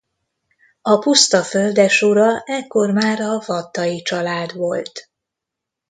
A puszta földesura ekkor már a Wattay-család volt.